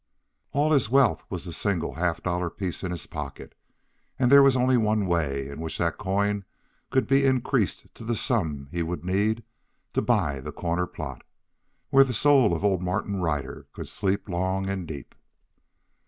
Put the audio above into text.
All his wealth was the single half dollar piece in his pocket, and there was only one way in which that coin could be increased to the sum he would need to buy that corner plot, where the soul of old Martin Ryder could sleep long and deep.